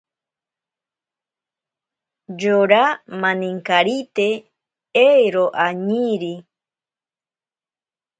Yora maninakarite ero añiiri.